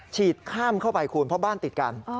ฉีดข้ามเข้าไปคุณเพราะบ้านติดกัน